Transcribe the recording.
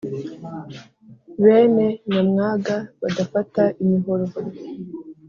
Bene nyamwaga badafata imihoro